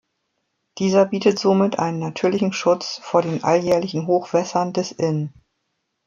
Dieser bietet somit einen natürlichen Schutz vor den alljährlichen Hochwässern des Inn.